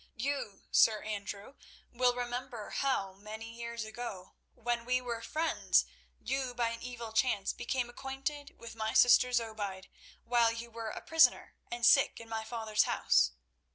"You, Sir Andrew, will remember how, many years ago, when we were friends, you, by an evil chance, became acquainted with my sister Zobeide, while you were a prisoner and sick in my father's house.